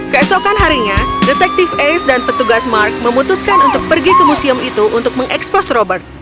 keesokan harinya detektif ace dan petugas mark memutuskan untuk pergi ke museum itu untuk mengekspos robert